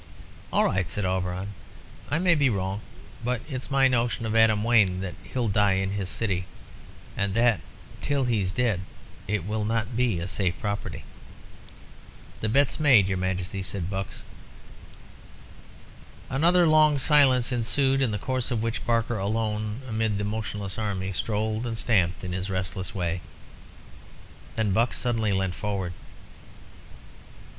"All right," said Auberon. "I may be wrong, but it's my notion of Adam Wayne that he'll die in his city, and that, till he is dead, it will not be a safe property." "The bet's made, your Majesty," said Buck. Another long silence ensued, in the course of which Barker alone, amid the motionless army, strolled and stamped in his restless way. Then Buck suddenly leant forward.